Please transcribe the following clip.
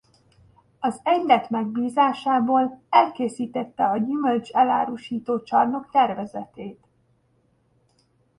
Az egylet megbízásából elkészítette a gyümölcs-elárusító csarnok tervezetét.